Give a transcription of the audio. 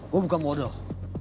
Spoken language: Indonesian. gua bukan bodoh